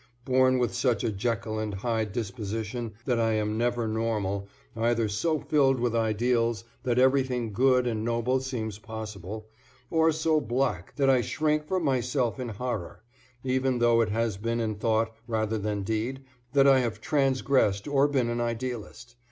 Born with such a Jekyll and Hyde disposition that I am never normal, either so filled with ideals that everything good and noble seems possible, or so black that I shrink from myself in horror even though it has been in thought rather than deed that I have transgressed or been an idealist.